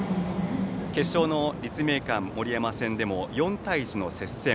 決勝の立命館守山戦でも４対１の接戦。